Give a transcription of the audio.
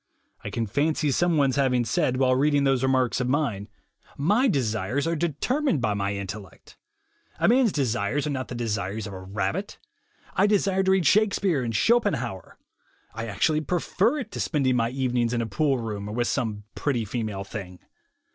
I can fancy someone's' having said, while reading those remarks of mine : "My desires are determined by my intellect. A man's desires are not the desires 28 THE WAY TO WILL POWER of a rabbit. I desire to read Shakespeare and Schopenhauer; I actually prefer it to spending my evenings in a poolroom or with some pretty female thing.